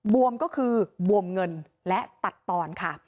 วมก็คือบวมเงินและตัดตอนค่ะ